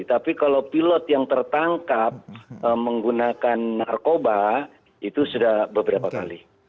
tapi kalau pilot yang tertangkap menggunakan narkoba itu sudah beberapa kali